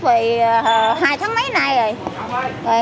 vì hai tháng mấy nay rồi